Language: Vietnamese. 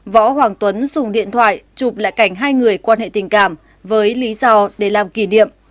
võ hoàng tuấn dùng điện thoại chụp lại cảnh hai người quan hệ tình cảm với lý do để làm kỷ niệm